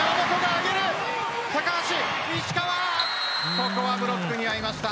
ここはブロックにあいました。